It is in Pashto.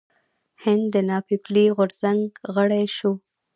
هند د ناپیيلي غورځنګ غړی شو.